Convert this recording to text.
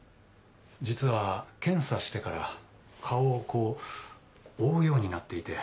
実は検査してから顔をこう覆うようになっていて。